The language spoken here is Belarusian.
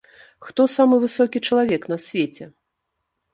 Хто самы высокі чалавек на свеце?